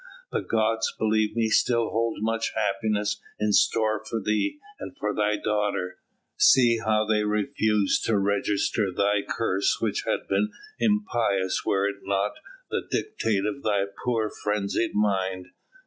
The gods, believe me, still hold much happiness in store for thee and for thy daughter. See how they refuse to register thy curse which had been impious were it not the dictate of thy poor frenzied mind.